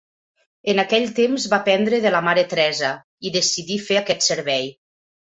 En aquell temps, va aprendre de la Mare Teresa i decidí fer aquest servei.